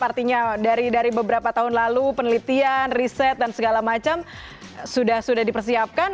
artinya dari beberapa tahun lalu penelitian riset dan segala macam sudah sudah dipersiapkan